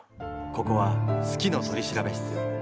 ここは「好きの取調室」。